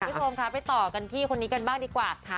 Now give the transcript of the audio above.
พี่โทมค่ะไปต่อกันพี่คนนี้กันบ้างดีกว่า